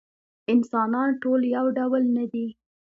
انسانان ټول یو ډول نه دي.